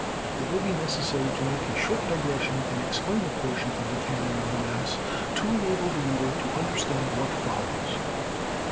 It will be necessary to make a short digression and explain a portion of the canon of the Mass to enable the reader to understand what follows.